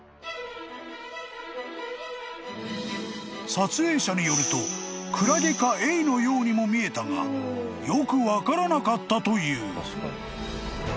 ［撮影者によるとクラゲかエイのようにも見えたがよく分からなかったという］